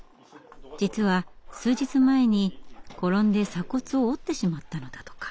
実は数日前に転んで鎖骨を折ってしまったのだとか。